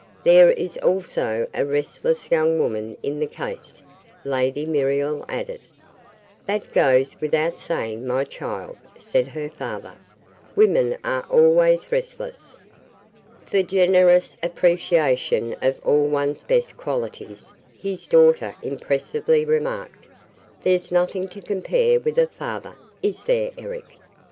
"There is also a restless young woman in the case," Lady Muriel added. "That goes without saying, my child," said her father. "Women are always restless!" "For generous appreciation of all one's best qualities," his daughter impressively remarked, "there's nothing to compare with a father, is there, Eric?"